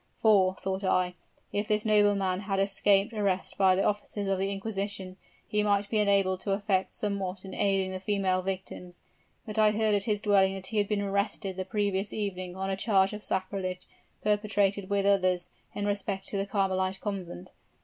'For,' thought I, 'if this nobleman has escaped arrest by the officers of the inquisition, he might be enabled to effect somewhat in aiding the female victims.' But I heard at his dwelling that he had been arrested the previous evening on a charge of sacrilege, perpetrated with others, in respect to the Carmelite Convent.